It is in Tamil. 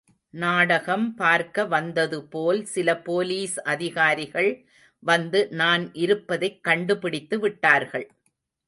நாடகம் பார்க்க வந்ததுபோல் சில போலீஸ் அதிகாரிகள் வந்து நான் இருப்பதைக் கண்டுபிடித்துவிட்டார்கள்.